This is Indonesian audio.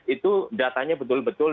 itu datanya betul betul